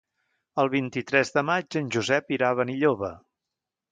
El vint-i-tres de maig en Josep irà a Benilloba.